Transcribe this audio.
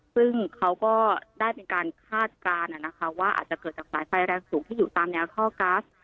ซึ่งเขาก็ได้เป็นการคาดการณ์ว่าอาจจะเกิดจากสายไฟแรงสูงที่อยู่ตามแนวท่อก๊าซ